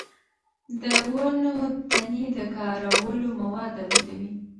د ونو تنې د کارولو مواد تولیدوي.